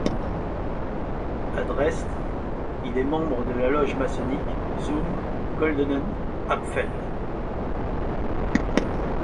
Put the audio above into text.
À Dresde, il est membre de la loge maçonnique Zum goldenen Apfel.